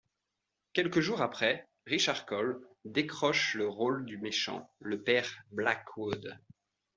Quelques jours après, Richard Coyle décroche le rôle du méchant, le père Blackwood.